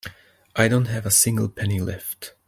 I don't have a single penny left.